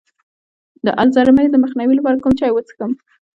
د الزایمر د مخنیوي لپاره کوم چای وڅښم؟